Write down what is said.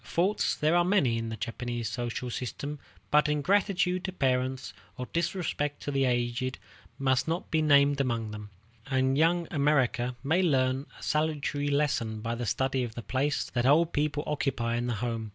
Faults there are many in the Japanese social system, but ingratitude to parents, or disrespect to the aged, must not be named among them; and Young America may learn a salutary lesson by the study of the place that old people occupy in the home.